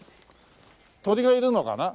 鳥がいるのかな？